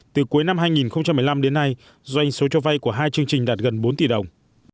từ cuối năm hai nghìn một mươi năm đến nay doanh số cho vay của hai chương trình đạt gần bốn tỷ đồng